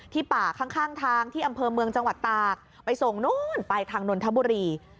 ป่าข้างทางที่อำเภอเมืองจังหวัดตากไปส่งนู้นไปทางนนทบุรี